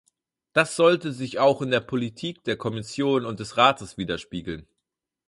Das sollte sich auch in der Politik der Kommission und des Rates widerspiegeln.